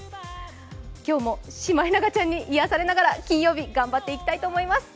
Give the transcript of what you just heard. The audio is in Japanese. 今日もシマエナガちゃんに癒やされながら、金曜日、頑張っていきたいと思います。